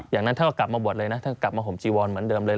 อย่างนั้นท่านก็กลับมาบวชเลยนะท่านกลับมาห่มจีวรเหมือนเดิมเลย